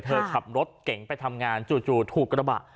เธอขับรถเก่งไปทำงานจู่ถูกกระบะ